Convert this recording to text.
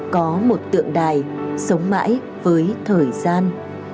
có một tượng đài sống mãi với thời gian